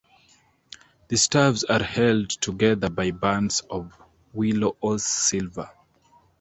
The staves are held together by bands of willow or silver.